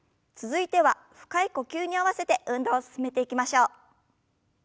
続いては深い呼吸に合わせて運動を進めていきましょう。